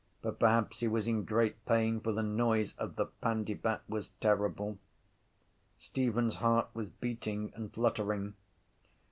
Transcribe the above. But perhaps he was in great pain for the noise of the pandybat was terrible. Stephen’s heart was beating and fluttering.